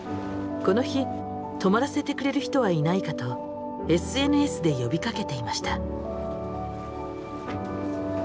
この日泊まらせてくれる人はいないかとＳＮＳで呼びかけていました。